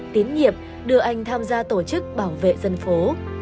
tín nhiệm đưa anh tham gia tổ chức bảo vệ dân phố